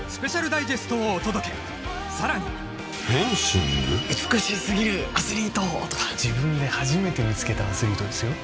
ダイジェストをお届けさらにフェンシング美しすぎるアスリートとか自分で初めて見つけたアスリートですよ